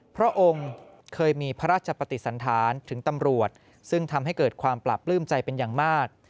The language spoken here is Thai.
พระองค์เคยมีพระราชปฏิสันธารถึงตำรวจซึ่งทำให้เกิดความปราบปลื้มใจเป็นอย่างมาก